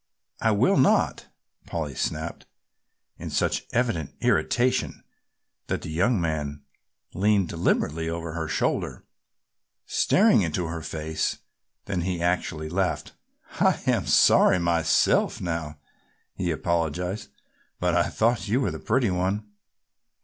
"I will not!" Polly snapped, in such evident irritation that the young man leaned deliberately over her shoulder staring into her face. Then he actually laughed. "I am sorry myself now," he apologized, "but I thought you were the pretty one."